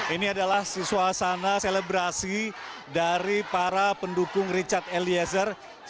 ini adalah suasana selebrasi dari para pendukung richard eliezer